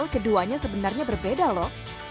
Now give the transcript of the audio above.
keduanya sebenarnya berbeda lho